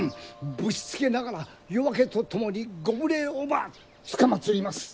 ぶしつけながら夜明けとともにご無礼をばつかまつります！